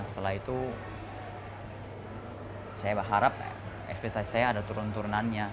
setelah itu saya berharap ekspektasi saya ada turun turunannya